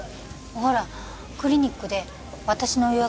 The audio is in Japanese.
ほらクリニックで私の予約